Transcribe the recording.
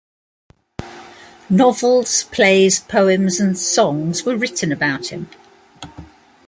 Novels, plays, poems and songs were written about him.